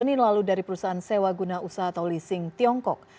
senin lalu dari perusahaan sewa guna usaha atau leasing tiongkok